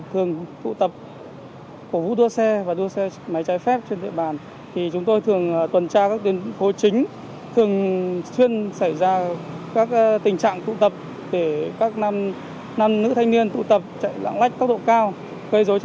tổ công tác không tiếp tục truy đuổi